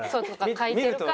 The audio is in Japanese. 書いてるから。